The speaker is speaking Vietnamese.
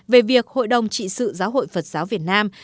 về việc hội đồng trị sự giáo hội phật giáo việt nam